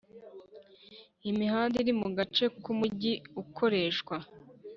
imihanda iri mu gace k Umujyi ikoreshwa